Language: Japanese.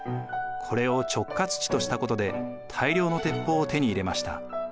これを直轄地としたことで大量の鉄砲を手に入れました。